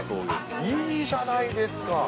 いいじゃないですか。